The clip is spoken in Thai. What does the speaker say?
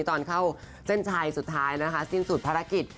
ตอนเข้าเส้นชัยสุดท้ายนะคะสิ้นสุดภารกิจ